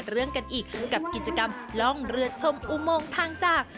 เรื่องกันอีกกับกิจกรรมล่องเรือชมอุโมงทางจาก